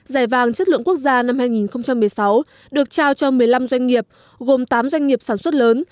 giải vàng chất lượng quốc gia năm hai nghìn một mươi sáu được trao cho một mươi năm doanh nghiệp gồm tám doanh nghiệp sản xuất lớn